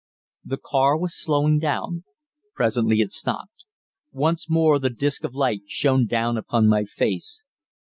The car was slowing down. Presently it stopped. Once more the disc of light shone down upon my face.